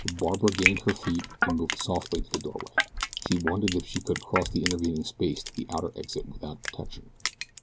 Barbara gained her feet and moved softly to the doorway. She wondered if she could cross the intervening space to the outer exit without detection.